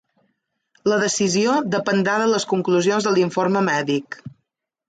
La decisió dependrà de les conclusions de l’informe mèdic.